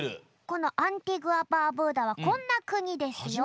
このアンティグア・バーブーダはこんな国ですよ。